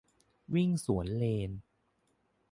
- วิ่งสวนเลน